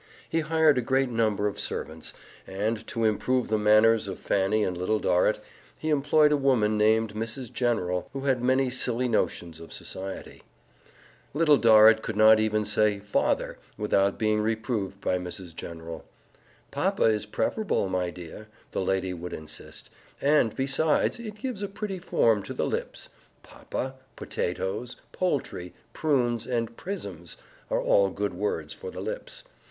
He hired a great number of servants, and, to improve the manners of Fanny and Little Dorrit, he employed a woman named Mrs. General, who had many silly notions of society. Little Dorrit could not even say "father" without being reproved by Mrs. General. "Papa is preferable, my dear," the lady would insist, "and, besides, it gives a pretty form to the lips. Papa, potatoes, poultry, prunes and prisms are all good words for the lips.